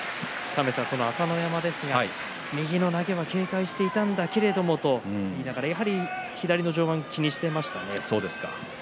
その朝乃山ですが右の投げは警戒していたんだけれども取りながら、やはり左の上腕を気にしていましたね。